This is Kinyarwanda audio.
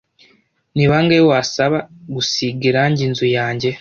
Ni bangahe wasaba gusiga irangi inzu yanjye?